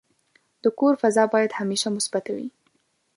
د کور فضا باید همیشه مثبته وي.